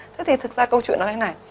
thế thì thực ra câu chuyện nó thế này